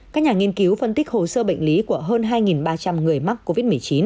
các nhà nghiên cứu phân tích hồ sơ bệnh lý của hơn hai ba trăm linh người mắc covid một mươi chín